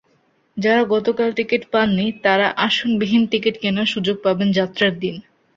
যাঁরা গতকাল টিকিট পাননি, তাঁরা আসনবিহীন টিকিট কেনার সুযোগ পাবেন যাত্রার দিন।